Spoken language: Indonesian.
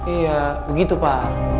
iya begitu pak